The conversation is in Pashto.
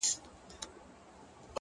د زړه روڼتیا باور پیاوړی کوي.